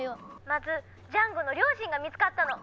☎まずジャンゴの両親が見つかったの。